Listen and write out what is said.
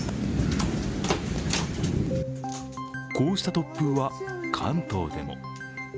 こうした突風は関東でも。